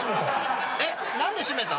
えっ？何で閉めた？